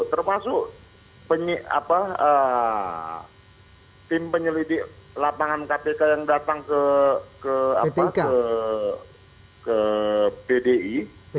termasuk tim penyelidik lapangan kpk yang datang ke pdi